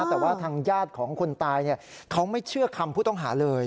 แต่ว่าทางญาติของคนตายเขาไม่เชื่อคำผู้ต้องหาเลย